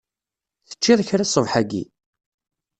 Teččiḍ kra ṣṣbeḥ-agi?